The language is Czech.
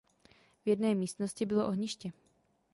V jedné místnosti bylo ohniště.